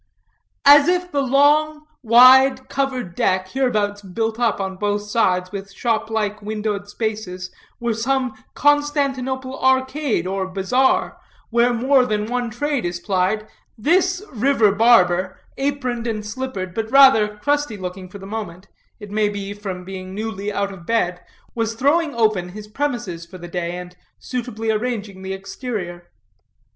As if the long, wide, covered deck, hereabouts built up on both sides with shop like windowed spaces, were some Constantinople arcade or bazaar, where more than one trade is plied, this river barber, aproned and slippered, but rather crusty looking for the moment, it may be from being newly out of bed, was throwing open his premises for the day, and suitably arranging the exterior.